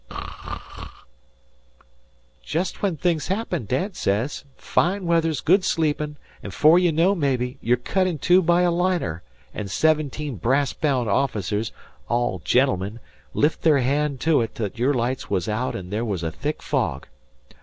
Sn orrr!" "Jest when things happen, Dad says. Fine weather's good sleepin', an' 'fore you know, mebbe, you're cut in two by a liner, an' seventeen brass bound officers, all gen'elmen, lift their hand to it that your lights was aout an' there was a thick fog.